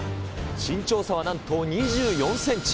身長差はなんと２４センチ。